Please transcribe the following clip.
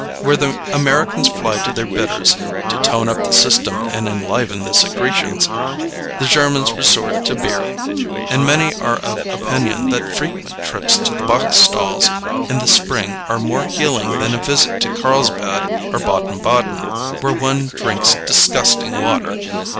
Where the Americans fly to their bitters "to tone up the system and enliven the secretions," the Germans resort to beer; and many are of opinion that frequent trips to the bock stalls in the spring are more healing than a visit to Carlsbad or Baden Baden, where one drinks disgusting water.